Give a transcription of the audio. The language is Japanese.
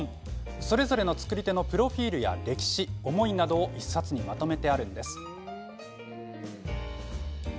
それぞれの作り手のプロフィールや歴史、思いなどを１冊にまとめてあるんです。